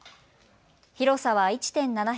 広さは１．７ｈａ。